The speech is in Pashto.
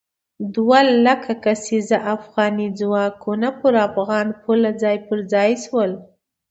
دوه لک کسیز افغاني ځواکونه پر افغاني پوله ځای پر ځای شول.